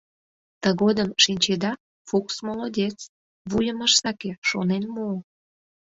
Тыгодым, шинчеда, Фукс молодец: вуйым ыш саке, шонен муо: